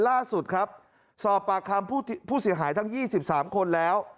ล่าสุดครับสอบปากคำผู้ผู้เสียหายทั้งยี่สิบสามคนแล้ว